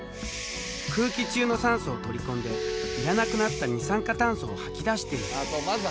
空気中の酸素を取り込んでいらなくなった二酸化炭素を吐き出している。